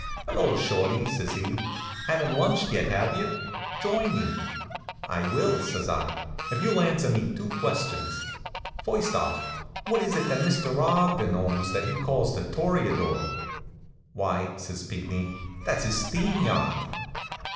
"Hello, Shorty!" says he. "Haven't lunched yet, have you? Join me." "I will," says I, "if you'll answer me two questions. First off, what is it that Mr. Ogden owns that he calls The Toreador?" "Why," says Pinckney, "that's his steam yacht."